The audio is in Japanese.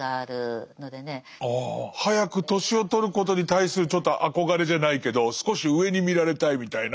ああ早く年を取ることに対するちょっと憧れじゃないけど少し上に見られたいみたいな。